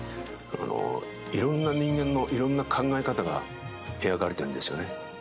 いろんな人間のいろんな考え方が描かれているんですよね。